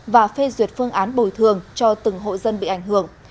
và phê duyệt phương án bồi thường cho từng hộ dân bị ảnh hưởng